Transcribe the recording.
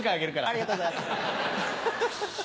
ありがとうございます。